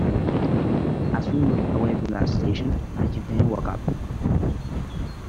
As we moved away from that station my companion woke up.